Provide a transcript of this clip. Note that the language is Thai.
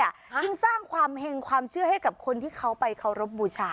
ยิ่งสร้างความเห็งความเชื่อให้กับคนที่เขาไปเคารพบูชา